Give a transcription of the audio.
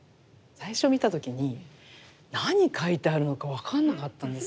最初見た時に何描いてあるのか分かんなかったんですよ。